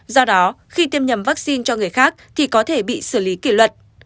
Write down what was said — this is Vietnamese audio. do đó khi tiêm nhầm vaccine cho người khác thì có thể bị xử lý kỷ luật